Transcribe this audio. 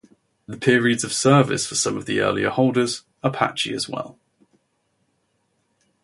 The periods of service for some of the earlier holders are patchy, as well.